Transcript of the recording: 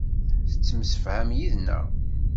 Tettemsefham yid-neɣ.